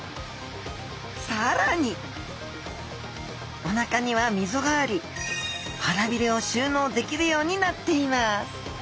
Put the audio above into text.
更におなかには溝があり腹鰭を収納できるようになっています